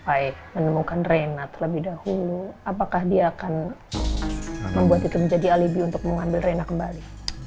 tapi kalau dia mau menemukan rena lebih dahulu apakah dia akan membuat itu menjadi alibi untuk mengambil rena kembali